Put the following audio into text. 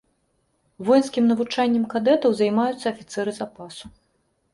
Воінскім навучаннем кадэтаў займаюцца афіцэры запасу.